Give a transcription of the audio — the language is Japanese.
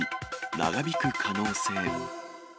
長引く可能性。